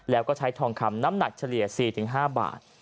แล้วก็ใช้ทองคำน้ำหนักเฉลี่ยสี่ถึงห้าบาท